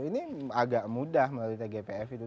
ini agak mudah melalui tgpf itu